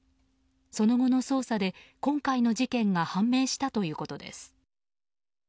その後の捜査で、今回の事件が判明したということです。